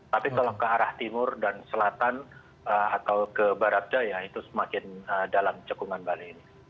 tapi kalau ke arah timur dan selatan atau ke barat daya itu semakin dalam cekungan bali ini